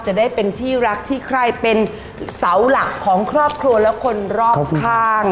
จะได้เป็นที่รักที่ใครเป็นเสาหลักของครอบครัวและคนรอบข้าง